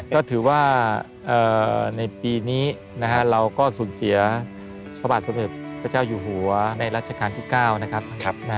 ก็ถือว่าในปีนี้เราก็สูญเสียพระบาทสมเด็จพระเจ้าอยู่หัวในรัชกาลที่๙นะครับ